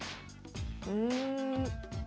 うん。